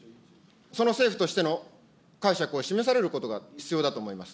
その政府としての解釈を示されることが必要だと思います。